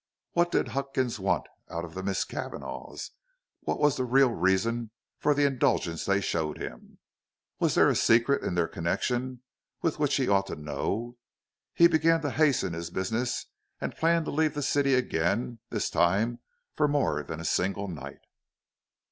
What did Huckins want of the Misses Cavanagh, and what was the real reason for the indulgence they showed him? Was there a secret in their connection which he ought to know? He began to hasten his business and plan to leave the city again, this time for more than a single night.